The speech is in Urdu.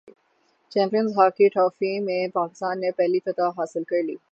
چیمپئنز ہاکی ٹرافی میں پاکستان نے پہلی فتح حاصل کرلی